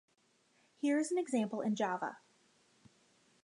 Here is an example in Java.